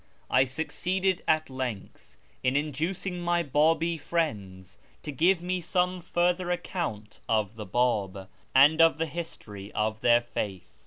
I succeeded at length in inducing my ]>;U)i friends to give me some further account of the B;ih, and of the history of their faith.